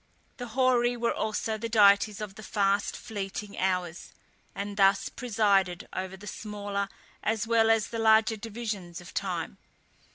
The Horæ were also the deities of the fast fleeting hours, and thus presided over the smaller, as well as the larger divisions of time.